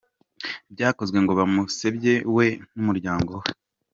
byakozwe ngo bamusebye we numurynago we.